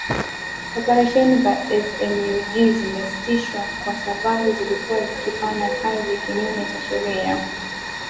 Operesheni za SMUG zimesitishwa kwa sababu zilikuwa zikifanya kazi kinyume cha sheria